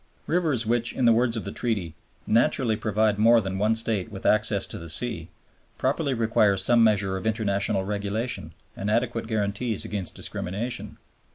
Rivers which, in the words of the Treaty, "naturally provide more than one State with access to the sea," properly require some measure of international regulation and adequate guarantees against discrimination.